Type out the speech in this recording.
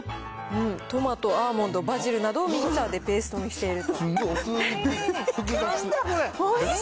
トマトアーモンドバジルなどをミキサーでペーストにしている。